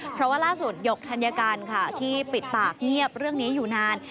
เพราะว่าล่าสุดหยกธัญการค่ะที่ปิดปากเงียบเรื่องนี้อยู่นาน